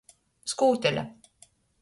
Skūtele.